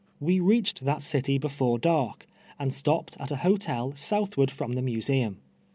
TVe reached that citv before dark, and sti)pped at a hotel southward from the Museum.